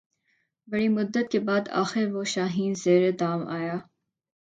بڑی مدت کے بعد آخر وہ شاہیں زیر دام آیا